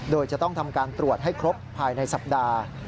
โดยจะต้องทำการตรวจให้ครบภายในสัปดาห์